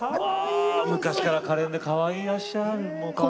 昔からかれんでかわいくいらっしゃる。